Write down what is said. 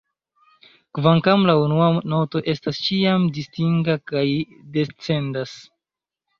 Kvankam, la unua noto estas ĉiam distinga kaj descendas.